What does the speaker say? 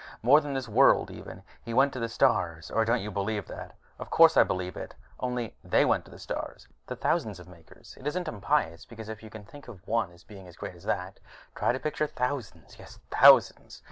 More than this world, even: he went to the stars. Or don't you believe that?" "Of course I believe it. Only, they went to the stars, the thousands of Makers. It isn't impious, because if you can think of one being as great as that, try to picture thousands. Yes, thousands.